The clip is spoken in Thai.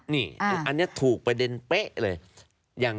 นี่อันนี้ถูกประเด็นเป๊ะเลย